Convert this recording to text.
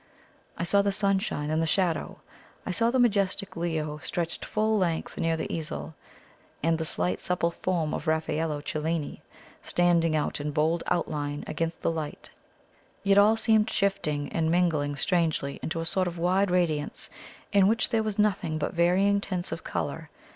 I saw the sunshine and the shadow I saw the majestic Leo stretched full length near the easel, and the slight supple form of Raffaello Cellini standing out in bold outline against the light; yet all seemed shifting and mingling strangely into a sort of wide radiance in which there was nothing but varying tints of colour.